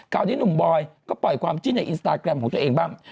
หนุ่มบอยก็ปล่อยความจิ้นในอินสตาแกรมของตัวเองบ้าง